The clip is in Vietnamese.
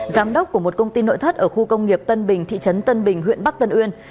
giám đốc của một công ty nội thất ở khu công nghiệp tân bình thị trấn tân bình huyện bắc tân uyên